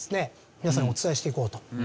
皆さんにお伝えしていこうと。